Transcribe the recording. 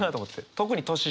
特に年下。